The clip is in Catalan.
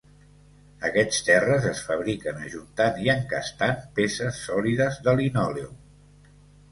Aquests terres es fabriquen ajuntant i encastant peces sòlides de linòleum.